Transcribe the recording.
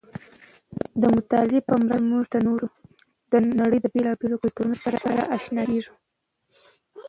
د مطالعې په مرسته موږ د نړۍ له بېلابېلو کلتورونو سره اشنا کېږو.